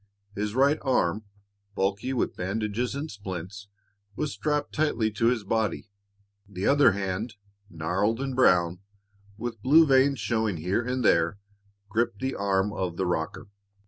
His right arm, bulky with bandages and splints, was strapped tightly to his body; the other hand, gnarled and brown, with blue veins showing here and there, gripped the arm of the rocker.